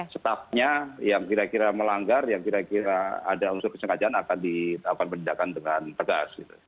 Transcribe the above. stafnya yang kira kira melanggar yang kira kira ada unsur kesengajaan akan didapat pendidikan dengan pedas